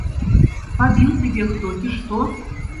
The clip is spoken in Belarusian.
Пабіў цябе хто, ці што?